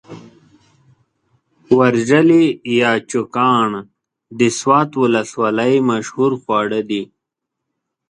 ورژلي يا چوکاڼ د سوات ولسوالۍ مشهور خواړه دي.